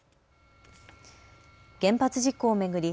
原発事故を巡り